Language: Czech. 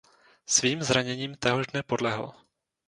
Svým zraněním téhož dne podlehl.